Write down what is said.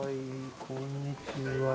こんにちは。